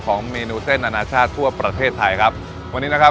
เมนูเส้นอนาชาติทั่วประเทศไทยครับวันนี้นะครับ